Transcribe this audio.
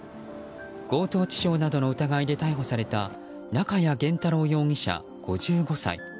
強盗致傷などの疑いで逮捕された中屋元太郎容疑者、５５歳。